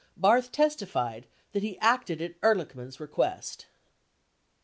79 Barth testified that he acted at Ehrlichman's request.